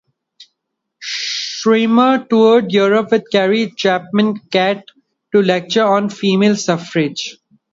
Schwimmer toured Europe with Carrie Chapman Catt to lecture on female suffrage.